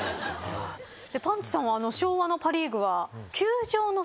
パンチさんは昭和のパ・リーグは。